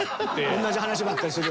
同じ話ばっかりするように。